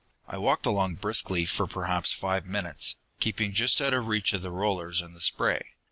"I walked along briskly for perhaps five minutes, keeping just out of reach of the rollers and the spray.